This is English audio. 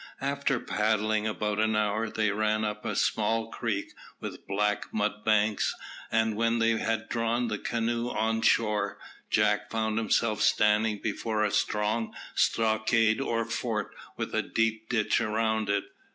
After paddling about an hour, they ran up a small creek with black mudbanks; and when they had drawn the canoe on shore, Jack found himself standing before a strong stockade or fort with a deep ditch round it.